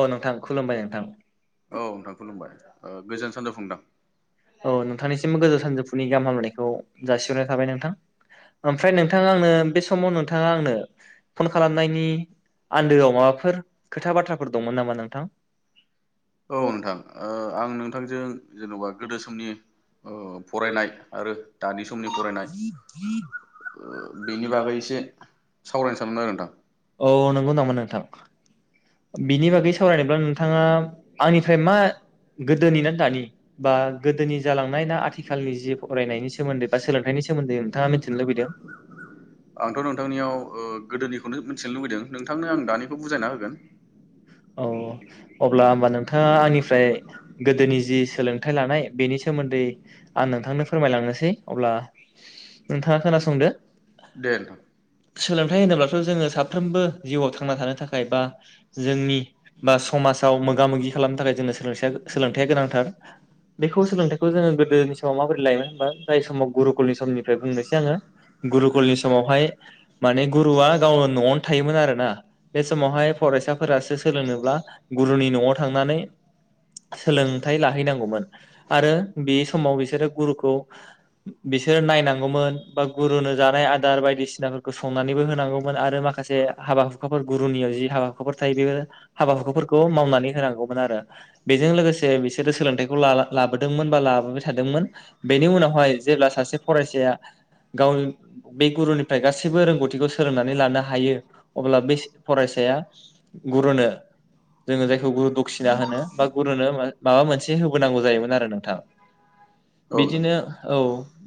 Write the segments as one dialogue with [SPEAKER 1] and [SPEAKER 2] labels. [SPEAKER 1] औ नोंथां खुलुमबाय नोंथां
[SPEAKER 2] औ
[SPEAKER 1] ।
[SPEAKER 2] नोंथां खुलुमबाय ओ गोजोन सानजौफु नोंथां।
[SPEAKER 1] औ नोंथांनिसिमबो गोजान सानजौफुनि गाहाम हामलायनायखौ जासिहरनाय थाबाय नोंथां । ओमफ्राय नोंथाङा आंनो बे समाव नोंथाङा आंनो फन खालामनायनि आन्दोआव माबाफोर खोथा बाथ्राफोर दंमोन नामा नोंथां?
[SPEAKER 2] औ नोंथां ओ आं नोंथांजों जेन'बा गोदो समनि ओ फरायनाय आरो दानि समनि फरायनाय ओ बेनि बागै एसे सावरायनो सानदों आरो नोंथां।
[SPEAKER 1] औ नंगौ नामा नोंथां
[SPEAKER 2] बिनि बागै सावरायनोब्ला नोंथाङा आंनिफ्राय मा गोदोनि ना दानि बा गोदोनि जालांनाय ना आथिखालनि जि फरायनायनि सोमोन्दै बा सोलोंथाइनि सोमोन्दै नोंथाङा मिथिनो लुबैदों? खौनो मिथिनो लुबैदों नोंथांनो आं दानिखौ बुजायना होगोन ।
[SPEAKER 1] अ। अब्ला होमबा नोंथाङा आंनिफ्राय गोदोनि जि सोलोंथाइ लानाय बेनि सोमोन्दै आं नोंथांनो फोरमायलांनोसै अब्ला नोंथाङा खोनासंदो।
[SPEAKER 2] दे नोंथां
[SPEAKER 1] सोलोंथाइ होनोब्लाथ' जोङो साफ्रोमबो जिउआव थांना थानो थाखाय बा जोंनि बा समाजाव मोगा-मोगि खालामनो थाखाय जोंनो सोलोंसाया सोलोंथाइया गोनांथार बेखौ सोलोंथाइखौ जोङो गोदोनि समाव माबोरै लायोमोन होनबा जाय समाव गुरुकुलनि समनि फ्राय बुंनोसै आङो गुरुकुलनि समावहाय माने गुरुवआ गावनो न'आवनो थायोमोन आरोना बे समावहाय फरायसाफोरासो स सोलोंनोब्ला गुरुनि न'आव थांनानै सोलोंथाइ लाहैनांगौमोन आरो बे समाव बिसोरो गुरुखौ बिसोरो नायनांग गौमोन बा गुरुनो जानाय आदार बायदिसिनाफोरखौ संनानैबो होनांगौमोन आरो माखासे हाबा हुखाफोर गुरुनियाव जि हाबा हुखाफोर थायो बे हाबा हुाखाफोरखौ मावनानै होनांगौमोन आरो बेजों लोगोसे बिसोरो सोलोंथाइखौ ला ला लाबोदोंमोन बा लाबोबाय थादोंमोन बेनि उनावहाय जेब्ला सासे फरायसाया गावनि बे गुरुनिफ्राय गासैबो रोंगौथिखौ सोलोंनानै लानो हायो अब्ला बे स फरायसाया गुरुनो जोङो जायखौ गुरु दखिना होनो बा गुरुनो माब माबा मोनसे होबोनांगौ जायोमोन आरो नोंथां।
[SPEAKER 2] औ नोंथां
[SPEAKER 1] बिदिनो औ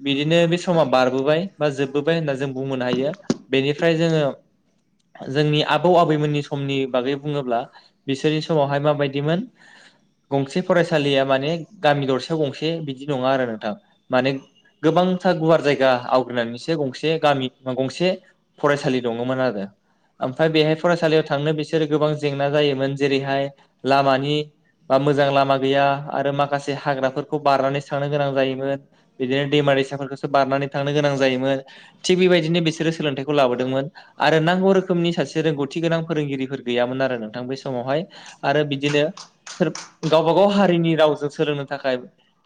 [SPEAKER 1] बिदिनो बे स बारबोबाय बा जोबबोबाय होनना जों बुंबोनो हायो
[SPEAKER 2] थादों
[SPEAKER 1] बेनिफ्राय
[SPEAKER 2] जों
[SPEAKER 1] जोङो जोंनि आबौ आबैमोननि समनि बागै बुङोब्ला बिसोरनि समावहाय माबायदि मोन गंसे फरायसालिया माने गामि दरसेयाव गंसे बिदि नङा आरो नोंथां माने गोबांथार गुवार जायगा आवग्रिनानैसो गंसे गामि बा गंसे फरायसालि दंङमोन आरो ओमफ्राय बेहाय फरायसालियाव थांनो बेस गोबां जेंना जायोमोन जेरैहाय लामानि बा मोजां लामा गैया आरो माखासे हाग्राफोरखौ बारनानै सांनो गोनां जायोमोन बिदिनो दैमा दैसाफोरखो बारनानै थांनो गोनां जायोमोन थिग बेबायदिनो बिसोरो सोलोंथाइखौ लाबोदोंमोन आरो नांगौ रोखोमनि सासे रोंगौथि गोनां फोरोंगिरिफोर, गैयामोन आरो नोंथां बे समावहाय आरो बिदिनो सोर गावबा गाव हारिनि रावजों सोलोंनो थाखाय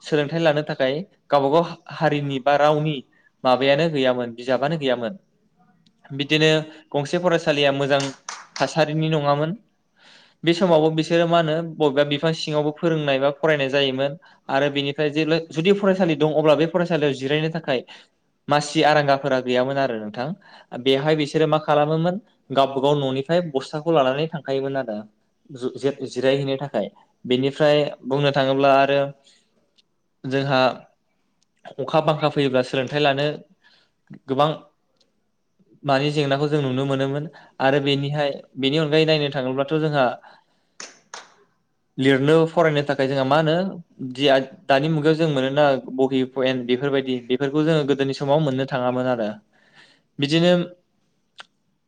[SPEAKER 1] सोलोंथाइ लानो थाखाय गावबा गाव हारिनि, रावनि माबायानो गैयामोन बिजाबानो गैयामोन बिदिनो गंसे फरायसालिया मोजां थारिनि नंङामोन बे समावबो बिसोरो मा होनो बबेबा बिफां सिङावबो फोरोंनाय बा फरायनाय जायोमोन आरो बेनिफ्राय जुदि फरायसालि दं अब्ला बे फरायसालियाव जिराय थाखाय मासि आरांगाफोरा गैयामोन आरो नोंथां बेवहाय बिसोरो मा खालामोमोन गावब गाव न'निफ्राय बस्थाखौ लानानै थांखायोमोन आरो जे जुद जिरायहैनो थाखाय बेनिफ्राय बुंनो थांङोब्ला आरो जोंहा अखा बांखा, फैयोब्ला सोलोंथाइ लानो गोबां मानि जेंनाखौ जों नुनो मोनोमोन आरो बेनिहाय बेनि अनगायै नायनो थाङोब्लाथ जोंहा लिरनो फरायनो थाखाय जोंहा मा होनो दि दानि मुगायाव जों मोनोना बहि पेन बेफोरबायदि, बेफोरखौ जोंङो गोदोनि समाव मोननो थांङामोन आरो बिदिनो,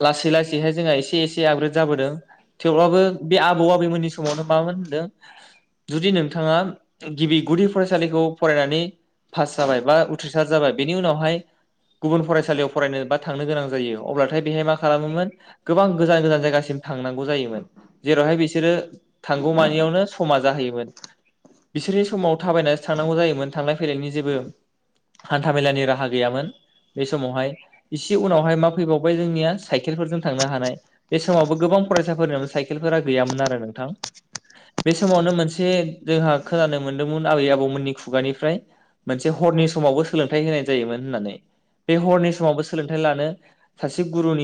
[SPEAKER 1] लासै लासैहाय जोंहा एसे एस एसे आपग्रेद जाबोदों थेवब्लाबो बे आबौ आबैमोननि समावनो मामोन होनदों जुदि नोंथाङा गिबि गुदि फरायसालिखौ फरायनानै पास जाबाय बा उथ्रिसार जाबाय बेनि उनावहाय गुबुन फरायसालियाव फरायनो बा थांनो गोनां जायो अब्लाथाय बे, हेमा माखालामोमोन गोबां गोजान गोजान जायगासिम थांनांगौ जायोमोन जेरावहाय बिसोरो थांगौमानियावनो समा जाहैयोमोन बिसोरनि समाव थाबायनानैसो थांनांगौ जायोमोन थांलाय फैलायनि जेबो हान्थामेलानि राहा गैयामोन बे समावहाय इसे उनावहाय मा फैबावबाय जोंनिया, साइकेलफोरजों थांनो हानाय, बे समावबो गोबां फरायसाफोरनो साइकेलफोरा गैयामोन आरो नोंथां बे समावनो मोनसे जोंहा खोनानो मोनदोंमोन आबै आबौमोननि खुगानिफ्राय मोनसे हरनि समावबो सोलोंथाइ होनाय जायोमोन होननानै बे हरनि समावबो सोलोंथाइ लानो सासे गुरुनि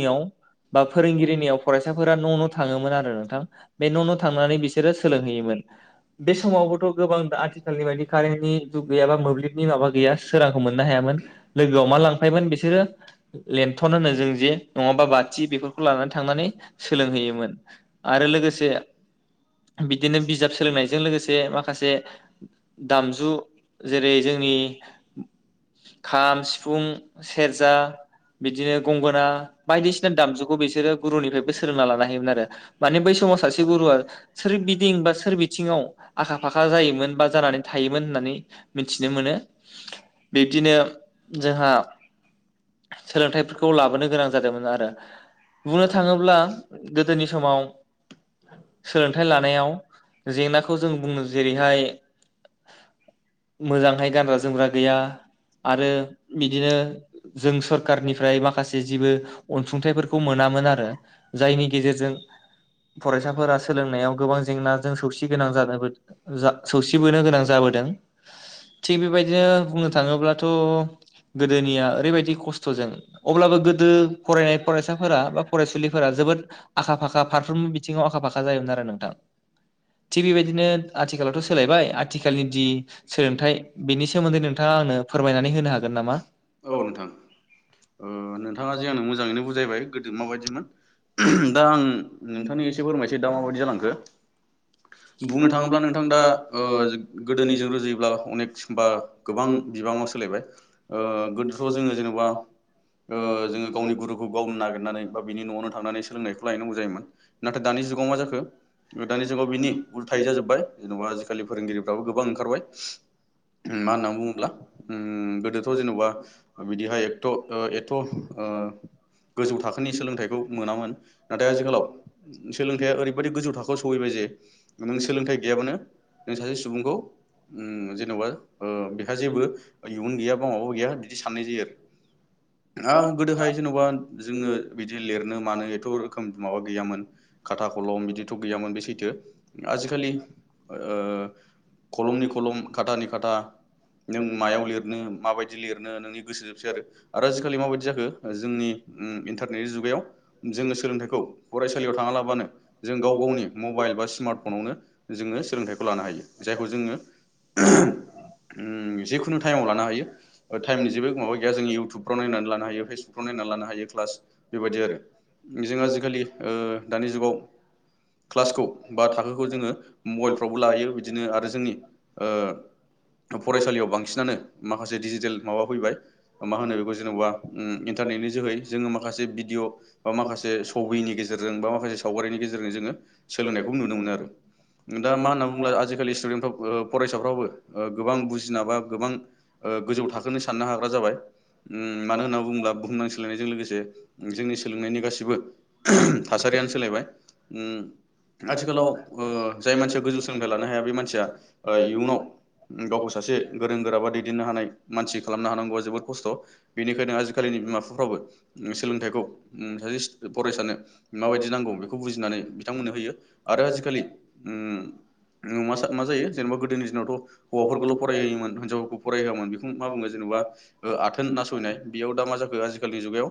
[SPEAKER 1] बा फोरोंगिरिनि निआव फरायसाफोरा न' न' थांङोमोन आरो नोंथां बे न' न' थांनानै बिसोरो सोलोंहैयोमोन बे समावबोथ' गोबां आथिखालनि बायदि कारेनि दुब बा मोब्लिबनि माबा गैया सोरांखौ मोननो हायामोन लोगोआव मा लांफायोमोन बिसोरो लेथन होनो जों जे नंङा बा बाथि बेफोरखौ लानानै थांनानै सोलोंहैयोमोन आरो लोगोसे बिदिनो बिजाब सोलोंनायजों लोगोसे माखासे दामजु जेरै जोंनि खाम, सिफुं, सेरजा, बिदिनो गंगोना बायदिसिना दामजुखौ बिसोरो, बेनिफ्रायबो सोलोंना लानो हायोमोन आरो माने बै समाव सासे गुरुआ सोर बिदिं बा सोर बिथिङाव आखा फाखा जायोमोन बा जानानै थायोमोन होननानै मिथिनो मोनो बि जोंहा सोलोंथाइफोरखौ लाबोनो गोनां जादोंमोन आरो बुंनो थाङोब्ला गोदोनि समाव सोलोंथाइ लानायाव जेंनाखौ जों बुंनो जेरैहाय मोजांहाय गानग्रा जोमग्रा गैया आरो बिदिनो जों सोरखारनिफ्राय माखासे जेबो अनसुंथाइफोरखौ मोन मोनामोन आरो जायनि गेजेरजों फरायसाफोरा सोलोंनायाव गोबां जेंनाजों सौसिगोनां जालाबायदो सौसिगोनां जाबोदों थिग बेबायदिनो बुंनो थाङोब्लाथ गोदोनिया ओरैबायदि खस्थजों अब्लाबो गोदो फरायनाय फरायसा फोरा बा फरायसुलिफोरा जोबोद आखा फाखा फारफ्रोमबो बिथिङाव आखा फाखा जायोमोन आरो नोंथां थिग बेबायदिनो आथिखालावथ सोलायबाय आथिखालनि दि सोलोंथाइ बेनि सोमोन्दै नोंथाङा आंनो फोरमायनानै होनो हागोन नामा? औ।
[SPEAKER 2] ओ नोंथाङा जे आंनो मोजाङैनो गोदो माबायदिमोन ओहोम दा आं नोंथांनि एसे फोरमायनोसै दा माबायदि जालांखो बुंनो थाङोब्ला नोंथां दा ओ गोदोनिजों रुजुयो [unintelligible] गोबां बिबाङाव सोलायबाय ओ गोदोथ जोङो जेनेबा ओ जोङो गावनि गुरुखौ गावनो नागिरनानै बा बिनि न थांनानै सोलोंनायखौ लायनांगौ जायोमोन नाथाय दानि जुगाव मा जाखो दानि जुगाव बिनि उल्थायै जाजोब्बाय जेनबा आजिखालि फोरोंगिरिफ्राबो गोबां ओंखारबाय मा होनना बुङोब्ला ओम गोदोथ जेनबा बिदिहाय एथ एथ ओ गोजौ थाखोनि सोलोंथाइखौ मोनामोन नाथाय आथिखालाव सोलोंथाइया ओरैबायदि गोजौ थाखोआव सहैबाय जे नों सोलोंथाइ गैयाबानो नों सासे सुबुंखौ ओम जेनबा ओ बेहा जेबो इयुन गैया बा माबा गैया बिदि साननाय जायो आरो गोदोहाय जेनबा जोङो बिदि लिरनो मानो खुनु रोखोम माबा गैयामोन खाथा कलम बिदिथ गैयामोन बे सैथो आजिखालि ओ कलमनि खलम खाथानि खाथा नों मायाव लिरनो माबायदि लिरनो नोंनि गोसो जोबसै आरो आरो आजिखालि माबायदि जाखो जोंनि ओम इन्टारनेटनि जुगायाव जोङो सोलोंथाइखौ फरायसालियाव थाङालाबानो जों गाव गावनि मबाइल बा स्मार्टफनावनो जोङो सोलोंथाइखौ लानो हायो जायखौ जोङो ओहोम ओम जिखुनु टाइमाव लानो हायो टाइमनि जेबो माबा गैया जों इयउटुबफ्राव नायनानै लानो हायो फेसबुकफ्राव नायनानै लानो हायो क्लास बेबायदि आरो। जों आजिखालि ओ दानि जुगाव क्लासखौ बा थाखोखौ जोङो मबाइलफ्रावबो लायो बिदिनो आरो जोंनि ओ फरायसालियाव बांसिनानो माखासे डिजिटेल माबा फैबाय मा होनो बेखौ जेनबा ओम इन्टारनेटनि जोहै जोङो माखासे भिडिअ बा माखासे सबिनि गेजेरजों बा माखासे सावगारिनि गेजेरजों जोङो सोलोंनायखौ नुनो मोनो आरो दा मा होनना बुङोब्ला आजिखालि स्टुडेन्टफ्रा फरायसाफ्राबो ओ गोबां बुजिना बा गोबां ओ गोजौ थाखोनि साननो हाग्रा जाबाय मानो होनना बुङोब्ला बुहुमनां सोलायनायजों लोगोसे जोंनि सोलों बो ओहोम थासारियानो सोलायबाय ओम आथिखालाव ओ जाय मानसिया गोजौ सोलोंथाइ लानो हाया बे मानसिया ओ इयुनाव गावखौ सासे गोरों गोरा बा दैदेननो हानाय मानसि खालामनो हानांगौआ जोबोद खस्थ बेनिखायनो आजिखालिनि बिमा बिफाफ्राबो सोलोंथाइखौ ओम सासे सु फरायसानो माबायदि नांगौ बेखौ बुजिनानै बिथांमोननो होयो आरो आजिखालि ओम नो मा मा जायो जेनबा गोदोनि दिनावथ हौवाफोरखौल फरायहोयोमोन हिन्जावफोरखौ फरायहोआमोन बेखौ मा बुङो जेनेबा ओ आथोन नासयनाय बेयाव दा मा जाखो आजि खालि जुगायाव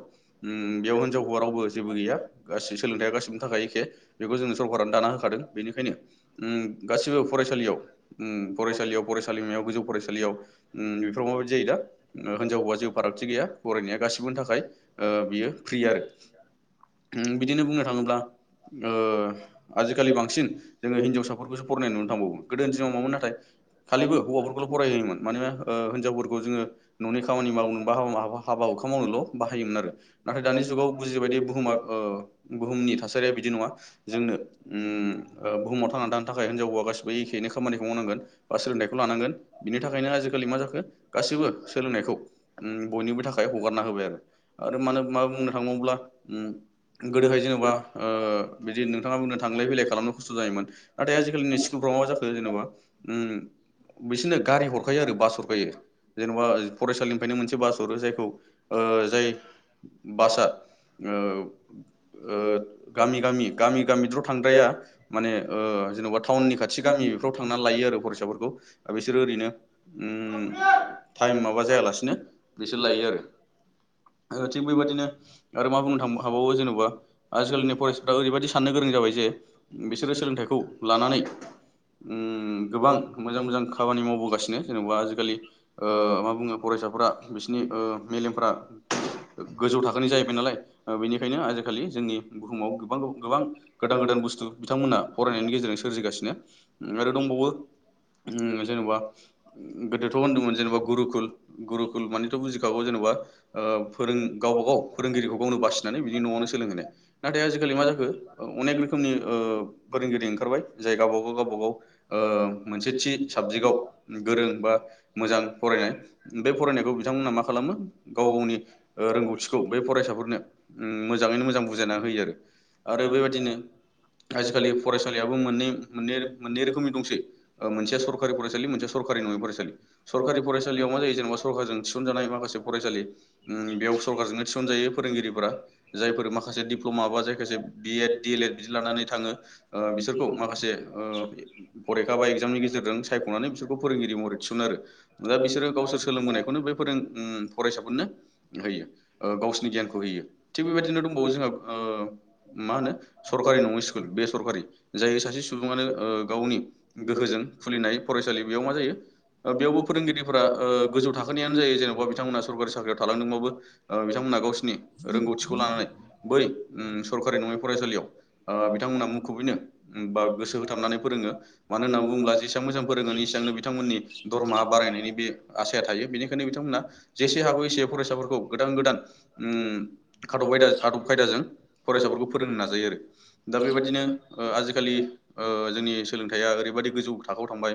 [SPEAKER 2] ओम हौवा रावबो जेबो गैया गासै सोलोंथाइया गासैनि थाखाय एखे बेखौ जोङो सरकारानो दाना होखादों बेनिखायनो ओम गासिबो फरायसालियाव ओम फरायसालियाव फरायसालिमायाव गोजौ फरायसालियाव ओम बेफोराव माबायदि जायो दा हिनजाव हौवा जेबो फारागथि गैया फरायनाया गासैबोनि थाखाय ओ बियो ओ बिदिनो बुंनो थाङोब्ला ओ आजिखालि बांसिन जोङो हिनजावसाफोरखौसो फरायनाय नुनो थांबावो गोदो दि नङामोन नाथाय खालिबो हौवाफोरखौल' फराय होयोमोन मानोना हिनजफोरखौ जोङो न'नि खामानि मावनो हाबा हुखा मावनोल' बाहायोमोन आरो। जुआव बुजिबायदि बुहुम ओ बुहुमनि थासारिया बिदि नङा जोंनो ओम बुहुमाव थांना थानो थाखाय हिनजावौवा गासिबो एखेनो खामानिखौ मावनांगोन बा सोलोंथाइखौ लानांगोन बिनि थाखायनो आजिखालि मा जाखो गासिबो सोलोंनायखौ बयनिबो थाखाय हगारना होबाय आरो मा होन थाङोब्ला ओम गोदोहाय जेनेबा ओ बि नोंथा बुंनो थांलाय फैलाय खालामनो खस्थ' जायोन नाथाय आजिलिनि स्कुलाव मा जाखो जेनेबा ओम बिसोरनो गारि हरखायो आरो बास हरखायो जेनेबा फरायसालिनिफ्रायनो मोनसे बास हरो जायखौ जाय ओ बासआ ओ ओ गामि गामि गामि गामिद्र' थांद्राया माने ओ जेन'बा टाउननि खाथि गामि लायो आरो फरायसाफोरखौ बिसोर ओरैनो ओम टाइम माबा जायालासिनो बिसोर लायो आरो थिग बेबायाददिनो आरो मा बुंनो थां हाबावो जेन'बा आजिखालिनि फरायसाफ्रा ओरैबायाददि साननो गोरों जाबाय जे बिसोरो सोलोंथाइखौ लानानै ओम गोबां मोजां मोजां खामानि मावबोगासिनो जेन'बा आजिखालि ओ मा बुङो फरायसाफ्रा बिसिरनि ओ मेलेमफ्रा गोजौ थाखोनि जाहैबाय नालाय बेनिखायनो आजिखालि जोंनि बुहुमाव गोबां गोबां गोदान गोदान बुस्थु बिथांमोनहा फरायनायनि गेजेरजों सोरजिगासिनो। आरो दंबावो उम जेनेबा गोदोथ' होनदोंमोन जेनेबा गुरुकुल गुरुकुल मानिथ' बुजिखागौ जेनेबा ओ फोरों गावबागाव फोरोंगिरिखौ गावनो बासिनानै बिनि न'आवनो सोलोंहोनाय नाथाय आजिखालि मा जाखो अनेक रोखोमनि औ फोरोंगिरि ओंखारबाय जाय गावबागाव गावबागाव ओ मोनसे थि साबजेक्टआव गोरों बा मोजां फरायनाय बे फरायनायखौ बिथांमोना मा खालामो गाव गावनि ओ रोंगौथिखौ बे फरायसाफोरनो उम मोजाङैनो मोजां बुजायना होयो आरो आरो बेबायाददिनो आजिखालि फरायसालियाबो मोननै मोननै मोननै रोखोमनि दंसै मोनसे सरकारि फरायसालि मोनसेया सरकारि नङै फरायसालि सरकारि फरायसालियाव मा जायो जेनेबा सरकखारजों थिसनजानाय माखासे फरायसालि उम बेयाव सरखारारजोंनो थिसनजायो फोरोंगिरिफोरा जायफोर माखासे दिप्ल'मा बा जायाखासे B Ed D El Ed बिदि लानानै थाङो ओ बिसोरखौ माखासे ओ फरिखा बा एगजामनि गेजेरजों सायख'नानै बिसोरखौ फोरोंगिरि महरै थिसुनो आरो दा बिसोरो गावसोर सोलोंबोनायखौनो बे फोरों उम नो होयो गावसिोरनि गियानखौ होयो थिग बेबायदिनो दंबावो जोंहा ओ मा होनो सरकारि नङा स्कुल बे सरकारि जाय सासे सुबुङानो ओ गावनि गोहोजों खुलिनाय फरायसालि बेयाव मा जायो ओ बेयावबो फोरोंगिरिफोरा ओ गोजौ थाखोननियानो जायो जेनबा बिथां सरकारि साख्रियाव थालांदोंबाबो ओ बिथांमोना गावसिरनि रोंगौथिखौ लानानै बै उम सरकारि नङै फरायसालियाव आ बिथांमोना मुखुबैनो उम बा गोसो होथाबनानै फोरोङो मानो होननानै बुङोब्ला जेसेबां मोजां फोरोङो इसेबांनो बिथांमोननि दरमा बारायनायनि बे आसाया थायो बेनिखायनो बिथांमोना जोब जेसे हागौ एसे फरायसाफोरखौ गोदान गोदान उम खादब आयदा आदब खायदाजों फरायसाफोरखौ फोरोंनो नाजायो आरो दा बेबायाददिनो आजिखालि ओ जोंनि सोलोंथाइया ओरैबायदि गोजौ थाखोआव थांबाय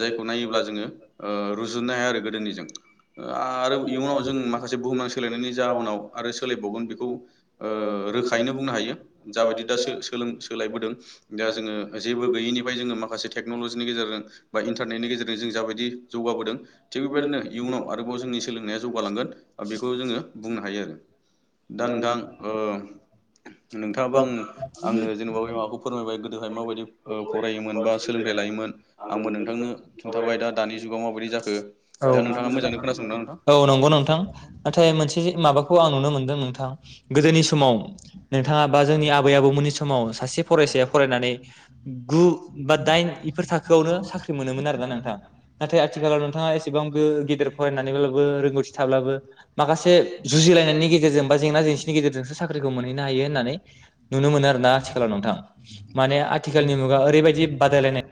[SPEAKER 2] जायखौ नायोब्ला जोङो रुजुननो हाया आरो गोदोनिजों । आरो इयुनाव जों माखासे बुहुमान सोलायनायनि जाहोनाव आरो सोलायबावगोन बेखौ ओ रोखायैनो बुंनो हायो जाबायदि दा सोलों सोलायबोदों दा जोङो जेबो निफ्राय जोङो माखासे टेक्न'लजिनि गेजेरजों बा इन्टारनेटनि गेजेरजों जों जाबायदि जौगाबोदों थिग बेबायदिनो इयुनाव आरोबाव जोंनि जौगालांगोन बेखौ जोङो बुंनो हायो आरो दा नोंथां ओ नोंथाङाबा आं आंनो जेनेबा बे माबाखौ फोरमायबाय गोदोहाय माबायदि औ फरायोमोन बा सोलोंथाइ लायोमोन। आंबो नोंथांनो खिन्थाबाय। दा दानि जुगाव माबोरै जाखो
[SPEAKER 1] औ
[SPEAKER 2] दा नोंथाङा मोजाङै खोनासंना नोंथां?
[SPEAKER 1] औ नंगौ नोंथां नाथाय मोनसे माबाखौ आं नुनो मोनदों। नोंथां गोदोनि समाव नोंथाङा बा जोंनि आबै आबौमोननि समाव सासे फरायसाया फरायनानै गु बा दाइन बेफोर थाखोआवनो साख्रि मोनोमोन आर ना नोंथाङा नाथाय आथिखालाव नोंथाङा एसेबां बे गेदेर फरायनानै रोंगौथि थाब्लाबो माखासे जुजिलायनायनि गेजेरजों बा जेंना जेंसिनि गेजेरजोंसो साख्रिखौ मोनहैनो हायो होननानै नुनो मोनो आरोना आथिखालाव नोंथां माने आथिखालनि मु
[SPEAKER 2] [unintelligible]